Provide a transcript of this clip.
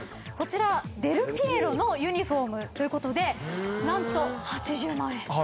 こちらデル・ピエロのユニホームということで何と８０万円。